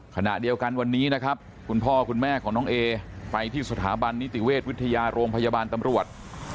ขณะเดียวกันวันนี้นะครับคุณพ่อคุณแม่ของน้องเอไปที่สถาบันนิติเวชวิทยาโรงพยาบาลตำรวจ